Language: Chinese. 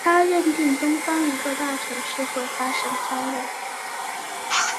他认定东方一个大城市会发生灾难。